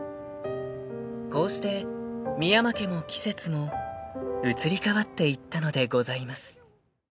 ［こうして深山家も季節も移り変わっていったのでございます］